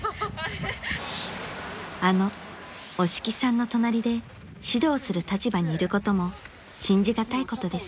［あの押木さんの隣で指導する立場にいることも信じ難いことです］